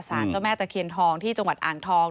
เจ้าแม่ตะเคียนทองที่จังหวัดอ่างทอง